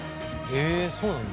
へえそうなんだ。